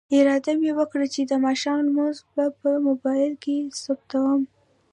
اراده مې وکړه چې د ماښام لمونځ به په موبایل کې ثبتوم.